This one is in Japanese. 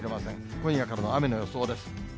今夜からの雨の予想です。